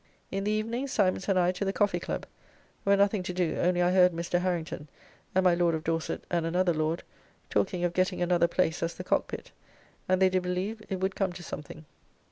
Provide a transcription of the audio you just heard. In the evening Simons and I to the Coffee Club, where nothing to do only I heard Mr. Harrington, and my Lord of Dorset and another Lord, talking of getting another place as the Cockpit, and they did believe it would come to something.